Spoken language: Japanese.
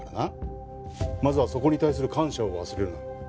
まずはそこに対する感謝を忘れるな。